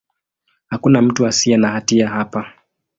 Hakuna mtu asiye na hatia hapa.